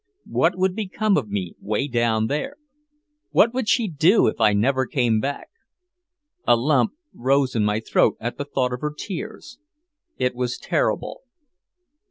What would become of me 'way down there? What would she do if I never came back? A lump rose in my throat at the thought of her tears. It was terrible.